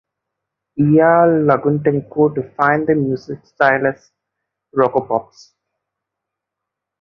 Ilya Lagutenko defined their music style as rockapops.